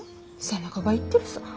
背中が言ってるさ。